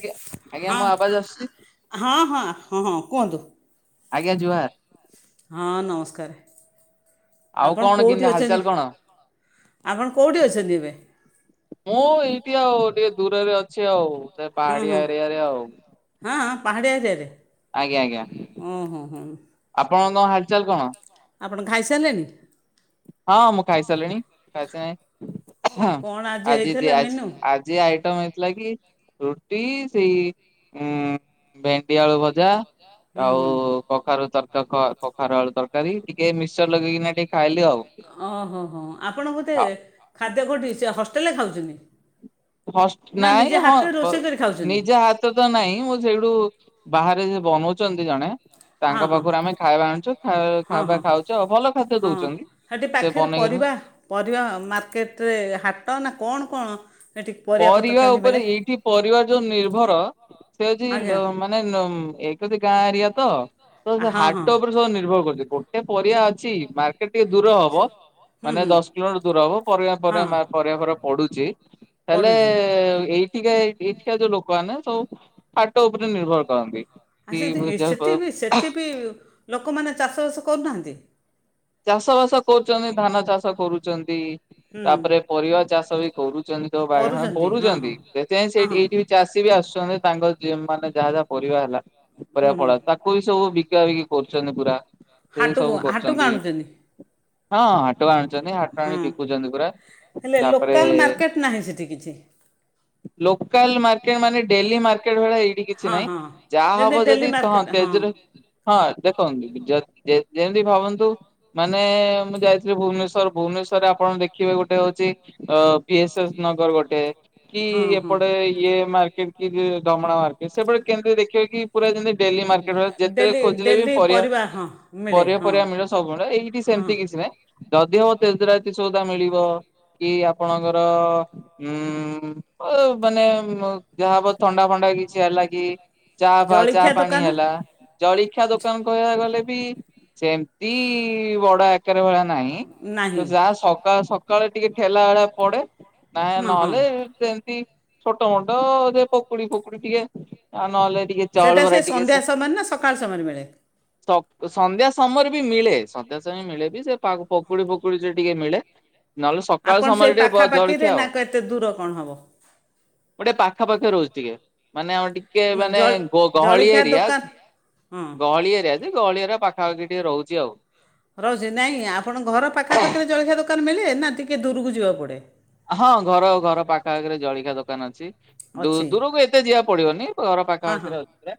ଆଜ୍ଞା ମୋ ଆବାଜ ଆସୁଛି? ହଁ ହଁ ହଁ ହଁ କୁହନ୍ତୁ। ଆଜ୍ଞା ଜୁହାର। ହଁ ନମସ୍କାରେ। ଆପଣ କେଉଁଠି ଅଛନ୍ତି, ଆପଣ କେଉଁଠି ଅଛନ୍ତି ଏବେ? ମୁଁ ଏଇଠି ଆଉ ଟିକେ ଦୂରରେ ଅଛି ଆଉ ସେ ପାହାଡିଆ ଏରିଆରେ ଆଉ। ଆଁ ଆଁ ପାହାଡ଼ିଆ ଏରିଆରେ? ଆଜ୍ଞା ଆଜ୍ଞା ଆପଣଙ୍କ ହାଲଚାଲ କଣ? ଆପଣ ଖାଇସାରିଲେଣି? ହଁ ମୁଁ ଖାଇସାରିଲିଣି [unintelligible] ହଁ ଆଜି ଦି ଆଜି ଆ ଜି ଆଇଟମ ହେଇଥିଲା କି ରୁଟି ସେଇ ଉ ଭେଣ୍ଡି ଆଳୁ ଭଜା ଆଉ କଖାରୁ ତଟକ କଖାରୁ ଆଳୁ ତରକାରୀ ଟିକେ ମିକ୍ସଚର ଲଗେଇକିନା ଟିକେ ଖାଇଲି ଆଉ। ଓହୋ ହୋ ଆପଣ ବୋଧେ ଖାଦ୍ୟ କେଉଠି ସେ ହଷ୍ଟେଲରେ ଖାଉଛନ୍ତି? ହଷ୍ଟ ନାଇଁ ହଁ ନିଜ ହା ଏତେ ତ ନାଇଁ ମୁଁ ସେଇଠୁ ବାହାରେ ସେ ବନଉଛନ୍ତି ଜଣେ ତାଙ୍କ ପାଖରୁ ଆମେ ଖାଇବା ଆଣୁଛୁ ଖାଇବା ଖାଉଛୁ ଆଉ ଭଲ ଖାଦ୍ୟ ଦଉଛନ୍ତି। ସେଠି ପାଖରେ ପରିବା ପରିବା ମାର୍କେଟରେ ହାଟ ନା କଣ କଣ? ପରିବା ଉପରେ ଏଇଠି ପରିବା ଯୋଉ ନିର୍ଭର ସେ ହଛି ମା ନେ ନମ୍ ଏକ ରେ ତ ଗାଁ ଏରିଆ ତ, ତ ସେ ହାଟ ଉପରେ ସବୁ ନିର୍ଭର କରୁଛନ୍ତି। ଏ ପରିବା ଅଛି ମା କେଟ ଟିକେ ଦୂର ହବ ମାନେ ଦଶ କିଲୋମିଟର ଦୂର ହବ ପରିବା ପରେ ପରିବା ପରେ ପଡୁଛି। ହେଲେ ଏଇଠିକା ଏଇଠିକା ଯୋଉ ଲୋକମାନେ ସବୁ ହାଟ ଉପରେ ନିର୍ଭର କରନ୍ତି କି [unintelligible] [unintelligible] ଲୋକମାନେ ଚାଷବାସ କରୁନାହାଁନ୍ତି? ଚାଷ ବାସ କରୁଛନ୍ତି ଧାନ ଚାଷ କରୁଛନ୍ତି ତାପରେ ପରିବା ଚାଷ ବି କରୁ ଛନ୍ତି ତ ବାଇଘନ କରୁଛନ୍ତି ସେଥିପାଇଁ ସେଠି ଏଇଠିବି ଚାଷୀ ବି ଆସୁଛନ୍ତି ତାଙ୍କ ମାନେ ଯାହା ଯାହା ପରିବା ହେଲା। ଉପରିଆ ଫଳା ତାକୁ ବି ସବୁ ବିକା ବିକି କରୁଛନ୍ତି ପୁରା ସେ ସବୁ କରୁଛନ୍ତି। ହଁ ହାଟ କୁ ଆଣୁଛନ୍ତି ହାଟ ଆଣି ବିକୁଛନ୍ତି ପୁରା ତାପରେ ଲୋକାଲ ମାର୍କେଟ ମାନେ ଡେଲି ମାର୍କେଟ ଭଳିଆ ଏଇ ତି କିଛି ନାଇଁ ଯାହା ହବ ଯଦି ତହଁ ତେଜରେ ହଁ ଦେଖନ୍ତୁ ଯଦି ଯେ-ଯେମିତି ଭାବନ୍ତୁ ମାନେ ମୁଁ ଯାଇଥିଲି ଭୁବନେଶ୍ଵର ଭୁବନେଶ୍ୱରରେ ଆପଣ ଦେଖିବେ ଗୋଟେ ହଉଛି ଅ ବି ଏସ୍ ଏସ୍ ନଗର ଗୋଟେ। କି ଏପଟେ ଇଏ ମାର୍କେଟ କି ଢ଼ମଣା ମାର୍କେଟ ସେପଟେ କେମିତି ଦେଖିବେ କି ପୁରା ଯେମିତି ଡେଲି ମାର୍କେଟ ଯେତେବେଳେ ଖୋଜିଲେ ବି ପରିବା ପରିବା ପରିବା ମିଳେ ସବୁ ମିଳେ। ଏଇଠି ସେମିତି କିଛି ନାଇଁ ଯଦି ହବ ତେଜରାତି ସଉଦା ମିଳିବ। କି ଆପଣଙ୍କର ଉଁ ମାନେ ଦେହଫେହ ଥଣ୍ଡା ଫଣ୍ଡା କିଛି ହେଲା କି ଚାହା ଫାହା ଚା ପାଣି ହେଲା ଜଳିଖିଆ ଦୋକାନ କହିବାକୁ ଗଲେ ବି ସେମିତି ବଡ ଆକାର ଭଳିଆ ନାହିଁ। ଉଁ ତ ଯାହା ସକାଳେ ସକାଳେ ଟିକେ ଠେଲା ଭଳିଆ ପଡେ। ନାଇଁ ନହେଲେ ସେମତି ଛୋଟମୋଟ ସେ ପକୁଡି ଫକୁଡି ଟିକେ ଆ ନହେଲେ ସେଇଟା ସେ ସନ୍ଧ୍ୟା ସମୟରେ ନା ସକାଳ ସମୟରେ ମିଳେ? ସକ ସନ୍ଧ୍ୟା ସମୟରେ ବି ମିଳେ ସନ୍ଧ୍ୟା ସମୟ ମିଳେ ବି ସେ ପାଗ ପକୁଡି ଫକୁଡି ଯେ ଟିକେ ମିଳେ। ନହେଲେ ସକାଳ ସମୟରେ ଟିକେ ବ ଜଳଖିଆ ଆଉ। ଗୋଟେ ପାଖାପାଖି ରହୁଛି ଟିକେ ମାନେ [unintelligible] ଟିକେ ମାନେ ଗହଳି ଏରିଆ ଗହଳି ଏରିଆ ସେ ଗହଳି ଏରିଆ ପାଖାପାଖି ଟିକେ ରହୁଛି ଆଉ। ରହୁଛନ୍ତି ନାଇଁ ଆପଣଙ୍କ ଘର ପାଖାପାଖିରେ ଜଳଖିଆ ଦୋକାନ ମିଳେ ନା ଟିକେ ଦୂରକୁ ଯିବା ପଡ଼େ? ହଁ ଘର ଘର ପାଖ ପାଖିରେ ଜଳିଖିଆ ଦୋକାନ ଅଛି। ଦୂ ଦୂରକୁ ଏତେ ଯିବାକୁ ପଡିବନି ଘର ପାଖାପାଖିରେ ଅଛି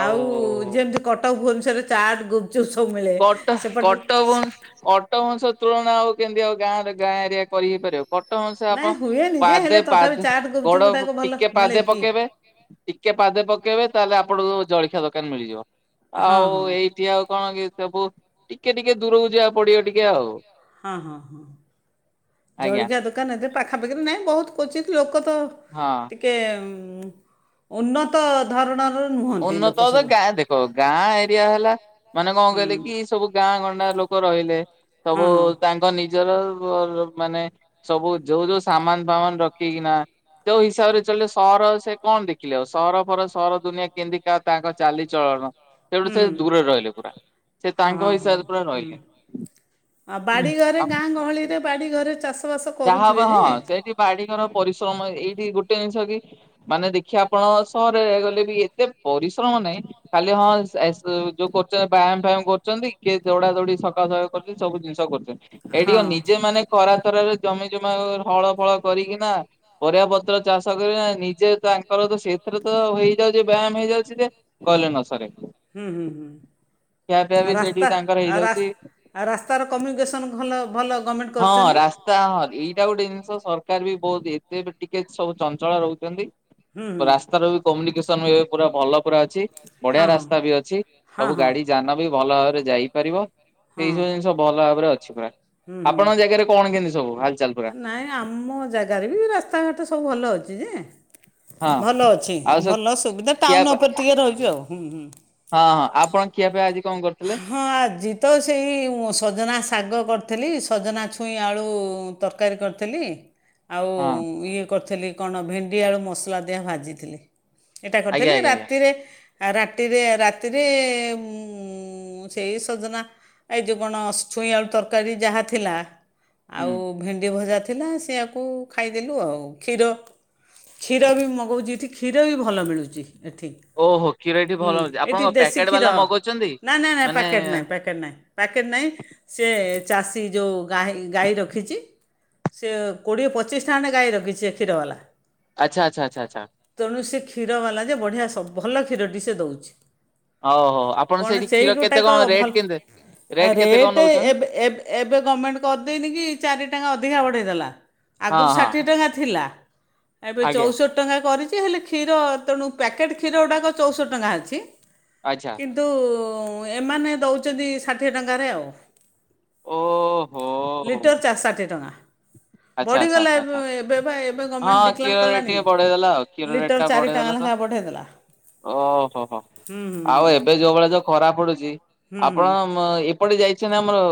ଆଉ କଟକ ଭୁବନେଶ୍ୱରରେ ଚାଟ ଗୁପ୍ ଚୁପ୍ ସବୁ ମିଳେ। କଟ କଟକ ଭୁନେଶ୍ବ କଟ କଟକ ଭୁବନେଶ୍ୱର ତୁଳନା ଆଉ କେମିତି ଆଉ ଗାଁରେ ଗାଁ ଏରିଆ କରି ହେଇ ପାରିବ। କଟକ ଭୁବନେଶ୍ୱର ରେ ଆପଣ ପାଦେ ପାଦ ଗୋଡ ଟିକେ ପାଦେ ପକେଇବେ ଟିକେ ପାଦେ ପକେଇବେ ତାହେଲେ ଆପଣଙ୍କୁ ଜଳଖିଆ ଦୋକାନ ମିଳିଯିବ ଆଉ ଏଇ ଠି ଆଉ କଣ ଏଇ ସବୁ ଟିକେ ଟିକେ ଦୂରକୁ ଯିବାକୁ ପଡିବ ଟିକେ ଆଉ। ହଁ ହଁ ହଁ ଜଳିଖିଆ ଦୋକାନ ଏବେ ପାଖାପାଖିରେ ନାହିଁ ବହୁତ କ୍ୱଚିତ୍ ଲୋକ ତ ହଁ। ଟିକେ ଉନ୍ନତ ଉନ୍ନତ ତ ଗାଁ ଦେଖ ଗାଁ ଏରିଆ ହେଲା ମାନେ କଣ କହିଲେ କି ସବୁ ଗାଁ ଗଣ୍ଡା ଲୋକ ରହିଲେ ସବୁ ତାଙ୍କ ଙ୍କ ନିଜର ମାନେ ସବୁ ଯୋଉ ଯୋଉ ସାମାନ ଫାମାନ ରଖିକିନା ଯୋଉ ହିସାବରେ ଚଲିଲେ ସହର ସେ କଣ ଦେଖିଲେ ଆଉ ସହର ଫଅର ସହର ଦୁନିଆ କେମିତିକା ତାଙ୍କ ଚାଲିଚଳନ ସେଇଠୁ ସେ ଦୂରରେ ରହିଲେ ପୁରା ସେ ତାଙ୍କ ହିସାବରେ ପୁରା ରହିଲେ। ଆଉ ବାଡିଘରେ ଗାଁ ଗହଳି ରେ ବାଡିଘରେ ଚାଷ ଯାହା ହବ ହଁ ସେଇଠି ବାଡିଘର ପରିଶ୍ରମ ଏଇଠି ଗୋଟେ ଜିନିଷ କି ମାନେ ଦେଖିବେ ଆପଣଙ୍କ ସହରରେ ଗଲେ ବି ଏତେ ପରିଶ୍ରମ ନାହିଁ। ଖାଲି ହଁ ଏକ୍ସ ଯୋଉ କରୁଛନ୍ତି ବ୍ୟାୟାମ ଫ୍ୟାୟାମ କରୁଛନ୍ତି କିଏ ଦୌଡା ଦୌଡି ସକାଳ ସକାଳୁ କର ସବୁ ଜିନିଷ କରୁଛନ୍ତି ଏଠି କଣ ନିଜେ ମାନେ ଖରାତରାରେ ଜମି ଜମା ହଳ ଫଳ କରିକିନା ପରିବା ପତ୍ର ଚାଷ କରିକିନା ନିଜେ ତାଙ୍କର ତ ସେଇଥିରେ ତ ହେଇଯାଉଛି ବ୍ୟାୟାମ ହେଇଯାଉଛି ଯେ କହିଲେ ନ ସରେ ରାସ୍ତା ଆଉ ରାସ ରାସ୍ତାର କମ୍ୟୁନିକେସନ୍ ଭଲ ଭଲ ଗଭର୍ଣ୍ଣମେଣ୍ଟ କରିଛନ୍ତି। ତା ହଁ ଏଇଟା ଗୋଟେ ଜିନିଷ ସରକାର ବି ବହୁତ ଏବେ ଟିକେ ସବୁ ଚଞ୍ଚଳ ରହୁଛନ୍ତି ରାସ୍ତାର ବି କମ୍ୟୁନିକସନ ଏବେ ପୁରା ଭଲ ପୁରା ଅଛି। ବଢିଆ ରାସ୍ତା ବି ଅଛି ସବୁ ଗାଡି ଯାନ ବି ଭଲ ଭାବରେ ଯାଇପାରିବ। ସେଇ ସବୁ ଜିନିଷ ଭଲ ଭାବରେ ଅଛି ପୁରା ଆପଣଙ୍କ ଜାଗାରେ କଣ କେମତି ସବୁ ହାଲଚାଲ ପୁରା? ନାଇଁ ଆମ ଜାଗାରେ ବି ରାସ୍ତାଘାଟ ସବୁ ଭଲ ଅଛି ଯେ ଭଲ ଅଛି ଭଲ ସୁବିଧା ଟାଉନ ଉପରେ ଟିକେ ରହିଛି ଆଉ। ହଁ ହଁ ଆପଣ ଖିଆପିଆ ଆଜି କଣ କରିଥିଲେ? ହଁ ଆଜିତ ସେଇ ସଜନା ଶାଗ କରିଥିଲି ସଜନା ଛୁଇଁ ଆଳୁ ତରକାରୀ କରିଥିଲି। ଆଉ ଇଏ କରିଥିଲି କଣ ଭେଣ୍ଡି ଆଳୁ ମସଲା ଦିଆ ଭାଜିଥିଲି। ଏଟା କରିଥିଲି ରାତିରେ ଆ ରାତିରେ ରାତିରେ ଉଁ ମୁଁ ସେଇ ସଜନା ଏ ଯୋଉ କଣ ଛୁଇଁ ଆଳୁ ତରକାରୀ ଯାହା ଥିଲା ଆଉ ଭେଣ୍ଡି ଭଜା ଥିଲା ସେଆକୁ ଖାଇଦେଲୁ ଆଉ କ୍ଷୀର କ୍ଷୀର ବି ମଗଉଚି ଏଠି କ୍ଷୀର ବି ଭଲ ମିଳୁଚି ଏଠି। ଓହୋ କ୍ଷୀର ଏଠି ଭଲ ମିଳୁଚି ଆପଣ କଣ ପ୍ୟାକେଟ୍ ବାଲା ମଗଉଚନ୍ତି? ନା ନା ନା ପ୍ୟାକେଟ ନାଇଁ ପ୍ୟାକେଟ ନାଇଁ। ପ୍ୟାକେଟ୍ ନାଇଁ ସେ ଚାଷୀ ଯୋଉ ଗାହି ଗାଈ ରଖିଚି। ସେ କୋଡ଼ିଏ ପଚିଶଟା ଖଣ୍ଡେ ଗାଈ ରଖିଚି ସେ କ୍ଷୀର ବାଲା। ଆଚ୍ଛା ଆଚ୍ଛା ଆଚ୍ଛା ଆଚ୍ଛା। ତେଣୁ ସେ କ୍ଷୀର ଵାଲା ଯେ ବଢ଼ିଆ ସେ ଭଲ କ୍ଷୀରଟି ସେ ଦଉଚି। ହଉ ହଉ ଆପ କଣ ସେଇ ଗୋଟାକ ଭଲ ଆ ରେଟ୍ ଏବେ ଏବେ ଏବେ ଗମେଣ୍ଟ କରିଦେଇନି କି ଚାରି ଟଙ୍କା ଅଧିକା ବଢ଼େଇ ଦେଲା। ଆଗୁରୁ ଷାଠିଏ ଟଙ୍କା ଥିଲା। ଏବେ ଚଉଷଠି ଟଙ୍କା କରିଚି ହେଲେ କ୍ଷୀର ତେଣୁ ପ୍ୟାକେଟ୍ କ୍ଷୀର ଗୁଡ଼ାକ ଚଉଷଠି ଟଙ୍କା ଅଛି। ଆଚ୍ଛା। ତୁ ଏମାନେ ଦଉଚନ୍ତି ଷାଠିଏ ଟଙ୍କାରେ ଆଉ। ଲିଟର ଚା ଷାଠିଏ ଟଙ୍କା। ବଢ଼ିଗଲା ଏବେ ଏବେ ପା ଏବେ ଏବେ ଗମେଣ୍ଟ ଡିକ୍ଲାର କଲାନି କି ଲିଟର ଚାରି ଟଙ୍କା ଲେଖା ବଢ଼େଇ ଦେଲା। ଓ ହୋ ହୋ। ଆଉ ଏବେ ଯୋଉ ଭଳିଆ ଯୋଉ ଖରାପ ପଡୁଚି ଆପଣ ମୋ ଅ ଏପଟେ ଯାଇଚି ନା ଆମର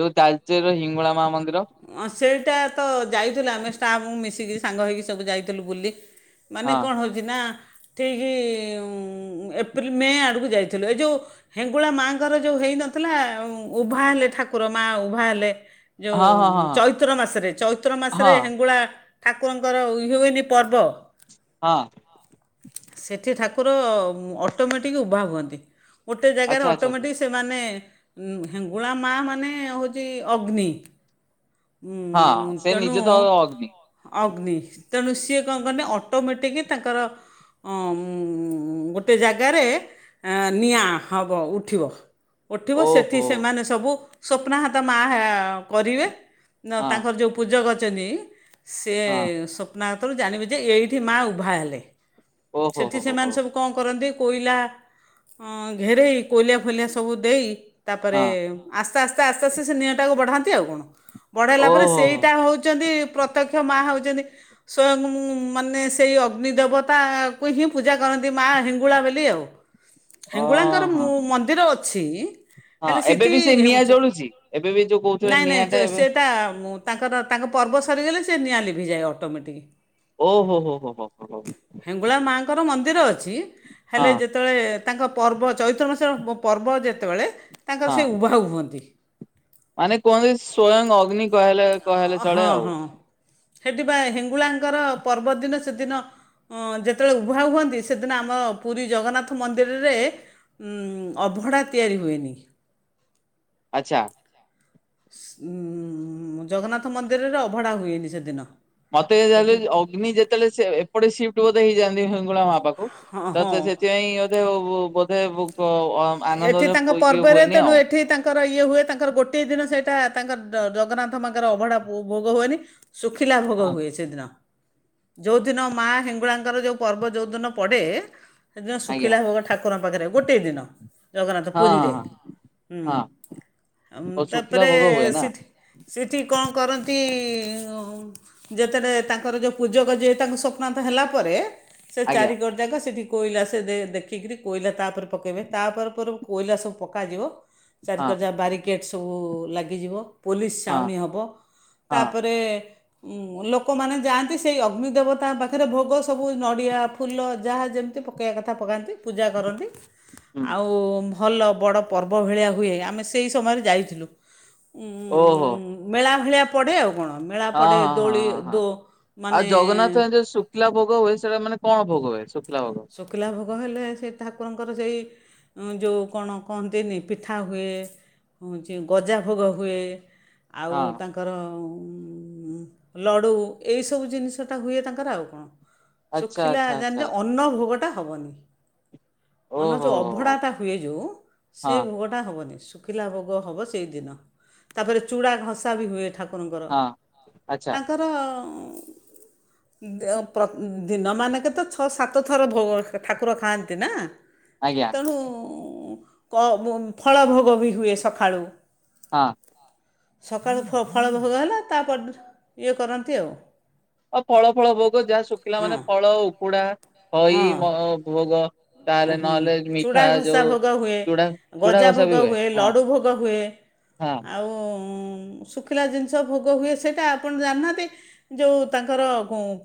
ଯୋଉ ତାଲଚେର ର ହିଙ୍ଗୁଳା ମା ମନ୍ଦିର। ଅଁ ସେଇଟା ତ ଯାଇଥିଲୁ ଆମେ ଷ୍ଟାଫ୍ ମିଶିକି ସାଙ୍ଗ ହେଇକି ସବୁ ଯାଇଥିଲୁ ବୁଲି। ମାନେ କଣ ହଉଚି ନା ଠିକି ଉଁ ଏପ୍ରିଲ ମେ ଆଡୁକୁ ଯାଇଥିଲୁ ଏଇ ଯଉ ହିଙ୍ଗୁଳା ମାଙ୍କର ଯୋଉ ହେଇନଥିଲା ଉଭା ହେଲେ ଠାକୁର ମା ଉଭା ହେଲେ। ଯଉଁ ଚୈତ୍ର ମାସରେ ଚୈତ୍ର ମାସରେ ହେଙ୍ଗୁଳା ଠାକୁରଙ୍କର ଉ ହୁଏନି ପର୍ବ ହଁ। ସେଠି ଠାକୁର ଅଟୋମେଟିକ ଉଭା ହୁଅନ୍ତି। ଗୋଟେ ଜାଗାରେ ଅଟୋମେଟିକ୍ ସେମାନେ ଉଁ ହିଙ୍ଗୁଳା ମା ମାନେ ହଉଚି ଅଗ୍ନି। ଉଁ ତେଣୁ ଅଗ୍ନି ତେଣୁ ସିଏ କଣ କଲେ ଅଟୋମେଟିକ୍ ତାଙ୍କର ଅଁ ମ ଗୋଟେ ଜାଗାରେ ଏ ନିଆଁ ହବ ଉଠିବ। ଉଠିବ ସେଠି ସେମାନେ ସବୁ ସ୍ୱପ୍ନାହାତ ମା ହ କରିବେ ତାଙ୍କର ଯୋଉ ପୂଜକ ଅଛନ୍ତି ସେ ସ୍ୱପ୍ନାହାତରୁ ଜାଣିବେ ଯେ ଏଇଠି ମା ଉଭା ହେଲେ। ଓହୋ। ସେଠି ସେମାନେ ସବୁ କଣ କରନ୍ତି କୋଇଲା ଉଁ ଘେରେଇ କୋଇଲା ଫୋଇଲା ସବୁ ଦେଇ ତାପରେ ଆସ୍ତେ ଆସ୍ତେ ଆସ୍ତେ ଆସ୍ତେ ସେ ନିଆଁଟାକୁ ବଢ଼ାନ୍ତି ଆଉ କଣ। ବଡ ହେଲା ପରେ ସେଇଟା ହଉଚନ୍ତି ପ୍ରତ୍ୟକ୍ଷ ମା ହଉଚନ୍ତି ସ୍ଵୟଂ ମୁ ମାନେ ସେଇ ଅଗ୍ନି ଦେବତା କୁ ହିଁ ପୂଜା କରନ୍ତି ମା ହିଙ୍ଗୁଳା ବୋଲି ଆଉ। ହେଙ୍ଗୁଳାଙ୍କର ମୁଁ ମନ୍ଦିର ଅଛି। ହଁ ଏବେ ବି ସେ ନିଆଁ ଜଳୁଚି। ଏବେ ବି ଯୋଉ କହୁଥିଲେ ନିଆଁ ଟା ଏବେ ତା ତାଙ୍କର ତାଙ୍କ ପର୍ବ ସରିଗଲେ ସେ ନିଆଁ ଲିଭିଯାଏ ଅଟୋମେଟିକ। ଓ ହୋ ହୋ ହୋ ହୋ ହୋ ହୋ। ହେଙ୍ଗୁଳା ମାଙ୍କର ମନ୍ଦିର ଅଛି। ହେଲେ ଯେ ତ ତାଙ୍କ ପର୍ବ ଚୈତ୍ର ମାସର ପ ପର୍ବ ଯେତେବେଳେ ତାଙ୍କର ସେ ଉଭା ହୁଅନ୍ତି। ମାନେ କୁହନ୍ତି ସ୍ଵୟଂ ଅଗ୍ନି କହେଲେ କହେଲେ ଚଳେ ଆଉ। ସେଥିପାଇଁ ହିଙ୍ଗୁଳାଙ୍କର ପର୍ବଦିନ ସେଦିନ ଅଁ ଯେତେବେଳେ ଉଭା ହୁଅନ୍ତି ସେଦିନ ଆମ ପୁରୀ ଜଗନ୍ନାଥ ମନ୍ଦିରରେ ଉଁ ଅଭଢ଼ା ତିଆରି ହୁଏନି। ଆଚ୍ଛା। ଉଁ ଜଗନ୍ନାଥ ମନ୍ଦିରରେ ଅଭଢ଼ା ହୁଏନି ସେଦିନ। ମତେ ଜା [unintelligible] ଅଗ୍ନି ଯେତେବେଳେ ସେ ଏପଟେ ସିଫ୍ଟ ବୋଧେ ହେଇଯାଆନ୍ତି ହିଙ୍ଗୁଳା ମା ପାଖକୁ ତ ସେଥିପାଇଁ ବୋଧେ [unintelligible] ବୋଧେ [unintelligible] ଏଠି ତାଙ୍କ ପର୍ବରେ ତେଣୁ ଏଠି ତାଙ୍କ ତାଙ୍କର ଇଏ ହୁଏ ତାଙ୍କର ଗୋଟେ ଦିନ ସେଇଟା ତାଙ୍କର ଜ -ଜଗନ୍ନାଥ ତାଙ୍କର ଅଭଢା ଭୋଗ ହୁଏନି। ଶୁଖିଲା ଭୋଗ ହୁଏ ସେଦିନ। ଯୋଉ ଦିନ ମା ହିଙ୍ଗୁଳାଙ୍କର ଯୋଉ ପର୍ବ ଯୋଉ ଦିନ ପଡେ, ସେଦିନ ଶୁଖିଲା ହବ ଠାକ କରଙ୍କ ପାଖରେ ଗୋଟେ ଦିନ। ଜଗନ୍ନାଥ ପୁରୀରେ ହୁଁ ତାପରେ ସେଠି। ସେଠି କଣ କରନ୍ତି? ଯେତେ ରେ ତାଙ୍କର ଯୋଉ ପୂଜକ ଯେ ତାଙ୍କୁ ସ୍ୱପ୍ନାନ୍ତ ହେଲା ପରେ ସେ ଚାରିିଗଡ଼ ଯାକ ସେଠି କୋଇଲା ସେ ଦେଖିକିରି କୋଇଲା ତାପରେ ପକେଇବେ। ତା ପରେ ପରେ କୋଇଲା ସବୁ ପକାଯିବ ଚାରିକର ଯାକ ବାରିକେଟ୍ ସବୁ ଲାଗିଯିବ। ପୋଲିସ ସାଉଣୀ ହବ ତାପରେ ଉଁ ଲୋକମାନେ ଯାଆନ୍ତି ସେଇ ଅଗ୍ନି ଦେବତା ପାଖରେ ଭୋଗ ସବୁ ନଡିଆ ଫୁଲ ଯାହା ଯେମତି ପକେଇବା କଥା ପକାନ୍ତି ପୂଜା କରନ୍ତି। ଆଉ ଭଲ ବଡ଼ ପର୍ବ ଭଳିଆ ହୁଏ ଆମେ ସେହି ସମୟରେ ଯାଇଥିଲୁ। ଉଁ ମେଳା ଭଳିଆ ପଡେ ଆଉ କଣ? ମେଳା ପଡ଼େ ଦୋଳି ଦୋ ମାନେ ଲା ଭୋଗ ହୁଏ ସେଟା ମାନେ କଣ ଭୋଗ ହୁଏ ଶୁଖିଲା ଭୋଗ? ଶୁଖିଲା ଭୋଗ ହେଲେ ସେ ଠାକୁରଙ୍କର ସେଇ ଯେଉଁ କଣ କହନ୍ତିନି ପିଠା ହୁଏ। ହଉଛି ଗଜା ଭୋଗ ହୁଏ ଆଉ ତାଙ୍କର। ତାଙ୍କର ଲଡ଼ୁ ଏଇସବୁ ଜିନିଷଟା ହୁଏ ତାଙ୍କର ଆଉ କଣ? ଶୁଖିଲା ଜାଣିଛ ଅନ୍ନ ଭୋଗ ଟା ହବନି ମାନେ ଯୋଉ ଅଭଡ଼ା ଟା ହୁଏ ଯୋଉ ସେ ଭୋଗ ଟା ହବନି ଶୁଖିଲା ଭୋଗ ହବ ସେଇ ଦିନ ତାପରେ ଚୁଡ଼ାଘସା ବି ହୁଏ। ଠାକୁରଙ୍କର ତାଙ୍କ। ତ ଆ ପ୍ର ଦିନମାନେଙ୍କ ତ ଛ ସା ତ ଥର ଭୋଗ ଠାକୁର ଖାଆନ୍ତି ନା। ଆଜ୍ଞା। ତେଣୁ କ ଫଳ ଭୋଗ ବି ହୁଏ ସକାଳୁ। ହଁ। ସକାଳୁ ଫଳ ଭୋଗ ହେଲା ତାପରେ ଇଏ କରନ୍ତି ଆଉ ଆଉ ଫଳ ଫଳ ଭୋଗ ଯାହା ଶୁଖିଲା ମାନେ ଫଳ ଉକୁଡା ଖଇ ମ ଭୋଗ। ଚୂଡ଼ା ଘସା ଭୋଗ ହୁଏ ଗଜା ଭୋଗ ହୁଏ ଲଡ଼ୁ ଭୋଗ ହୁଏ। ଆଉ ଶୁଖିଲା ଜିନ୍ଷ ଭୋଗ ହୁଏ ସେଇଟା ଆପଣ ଜାଣିନାହାନ୍ତି? ଯୋଉ ତାଙ୍କର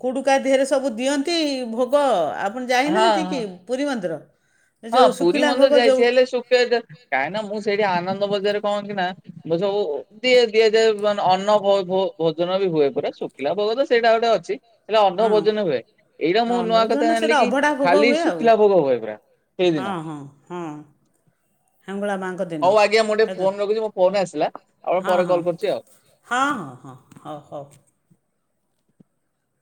କୋଉଠୁ କାହା ଦେହରେ ସବୁ ଦିଅନ୍ତି ଭୋଗ ଆ ପଣ୍ ଯାଇନାହାନ୍ତି କି ପୁରୀ ମନ୍ଦିର? ହଁ ପୁରୀ ମନ୍ଦିର ଯାଇଛି ହେଲେ। ସ [unintelligible] କାହିଁକିନା ମୁଁ ସେଇଠି ଆନନ୍ଦ ବଜାରରେ କହଣ କି ନା ମୁଁ ସବୁ ଦି ଏ ଯେ ମାନେ ଅନ୍ନ ଭୋଜନ ବି ହୁଏ ପୁରା ଶୁଖିଲା ଭୋଗତ ସେଇଟା ଗୋଟେ ଅଛି। ହେଲେ ଅର୍ଧ ଭୋଜନ ହୁଏ ଏଇଟା ମୁଁ ନୂଆ କଥା ଜାଣିଲି କି ଖାଲି ଶୁଖିଲା ଭୋଗ ହୁଏ ପୁରା। ହଁ ହଁ ହଁ ହେଙ୍ଗୁଳା ମାଙ୍କ ଦେ ହଉ ଆଜ୍ଞା ମୁଁ ଟିକେ ଫୋନ ରଖୁଛି ମୋ ଫୋନ ଆସିଲା [unintelligible] ପରେ କଲ୍ କରୁଛି ଆଉ। ହଁ ହଁ ହଁ ହଉ ହଉ।